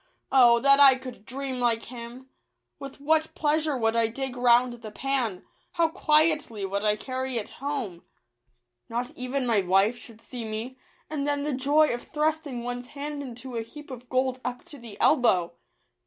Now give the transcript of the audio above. Oh, that I could dream like him I With what pleasure would I dig round the pan ! how quietly would I carry it home I not even my wife should Digitized by Google see me: and then the joy of thrusting one's hand into a heap of gold up to the elbow